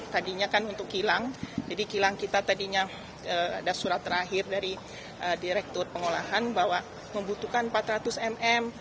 tadinya kan untuk kilang jadi kilang kita tadinya ada surat terakhir dari direktur pengolahan bahwa membutuhkan empat ratus mm